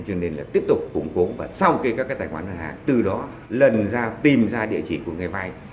cho nên là tiếp tục củng cố và sau kê các cái tài khoản ngân hàng từ đó lần ra tìm ra địa chỉ của người vay